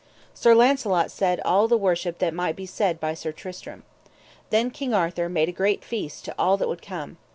Sir Launcelot said all the worship that might be said by Sir Tristram. Then King Arthur made a great feast to all that would come.